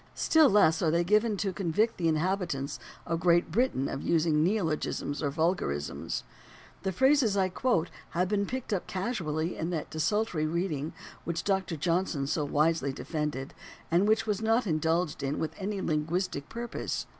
Still less are they given to convict the inhabitants of Great Britain of using neologisms or vulgarisms. The phrases I quote have been picked up casually in that desultory reading which Doctor Johnson so wisely de fended, and which was not indulged in with any lin guistic purpose.